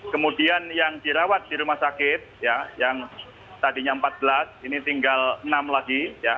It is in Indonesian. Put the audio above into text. kemudian yang dirawat di rumah sakit yang tadinya empat belas ini tinggal enam lagi